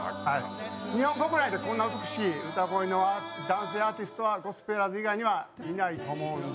日本国内でこんな美しい歌声の男性アーティストはゴスペラーズ以外にはいないと思うので。